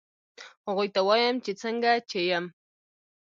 هغوی ته وایم چې څنګه چې یم